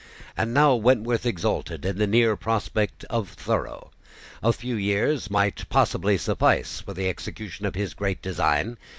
And now Wentworth exulted in the near prospect of Thorough. A few years might probably suffice for the execution of his great design.